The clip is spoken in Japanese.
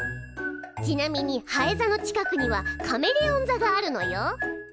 ちなみにハエ座の近くにはカメレオン座があるのよ。